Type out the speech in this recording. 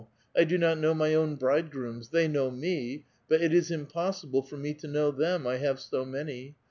1 do not know my own bridegrooms. They know me ; but it is impossible for me to know them, I have so many